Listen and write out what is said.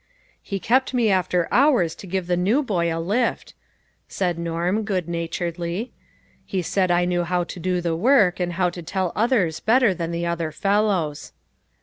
" He kept me after hours to give the new boy a lift," said Norm, good naturedly; u he said I knew how to do the work, and how to tell others better than the other fellows."